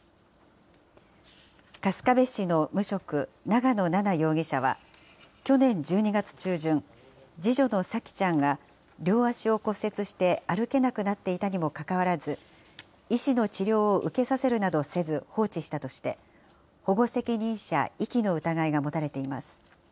春日部市の無職、長野奈々容疑者は、去年１２月中旬、次女の沙季ちゃんが両足を骨折して、歩けなくなっていたにもかかわらず、医師の治療を受けさせるなどせず放置したとして、保護責任者遺棄の疑いが持たれています。